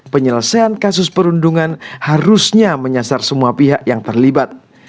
penyelesaian kasus perundungan harusnya menyasar semua pihak yang terlibat